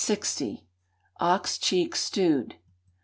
Ox Cheek Stewed.